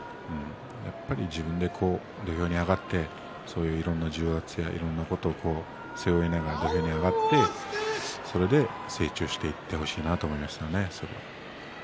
やっぱり自分で土俵に上がっていろんな重圧やいろんなことを背負いながら相撲を取って成長していってほしいなと思います。